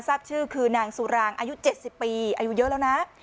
ทราบชื่อคือนางสุรางอายุ๗๐ปีอายุเยอะแล้วนะ